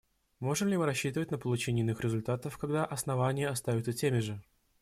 Можем ли мы рассчитывать на получение иных результатов, когда основания остаются теми же?